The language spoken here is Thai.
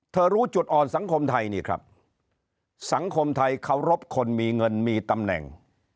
รู้จุดอ่อนสังคมไทยนี่ครับสังคมไทยเคารพคนมีเงินมีตำแหน่ง